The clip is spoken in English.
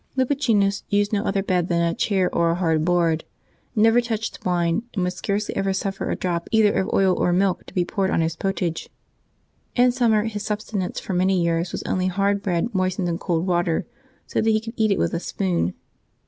Lupicinus used no other bed than a chair or a hard board; never touched wine, and would scarcely ever suffer a drop either of oil or milk to be poured on his pottage. In summer his subsistence for many years was only hard bread moistened in cold water, so that he could eat it with a spoon.